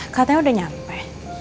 katanya udah nyampe